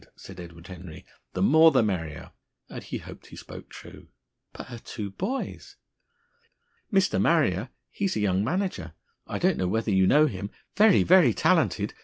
said Edward Henry. "The more the merrier!" And he hoped that he spoke true. But her two boys! "Mr. Marrier he's a young manager. I don't knew whether you know him; very, very talented.